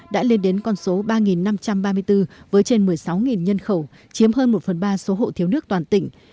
đã lên đến con số ba năm trăm ba mươi bốn với trên một mươi sáu nhân khẩu chiếm hơn một phần ba số hộ thiếu nước toàn tỉnh